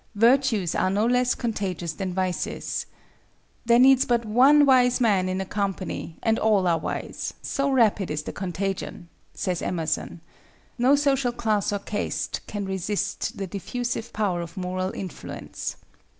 Virtues are no less contagious than vices. "There needs but one wise man in a company, and all are wise, so rapid is the contagion," says Emerson. No social class or caste can resist the diffusive power of moral influence.